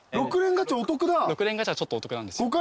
ガチャちょっとお得なんですよ。